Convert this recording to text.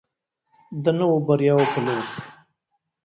د نویو بریاوو په لور.